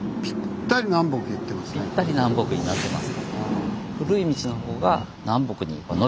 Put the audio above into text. ぴったり南北になってます。